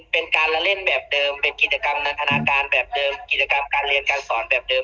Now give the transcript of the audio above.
เป็นการละเล่นแบบเดิมเป็นกิจกรรมนันทนาการแบบเดิมกิจกรรมการเรียนการสอนแบบเดิม